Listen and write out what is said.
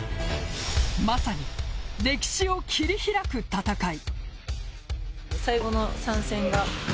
まさに歴史を切り開く戦い。